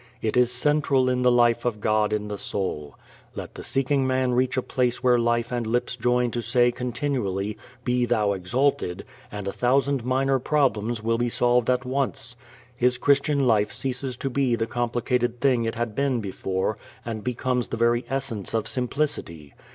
It is central in the life of God in the soul. Let the seeking man reach a place where life and lips join to say continually "Be thou exalted," and a thousand minor problems will be solved at once. His Christian life ceases to be the complicated thing it had been before and becomes the very essence of simplicity.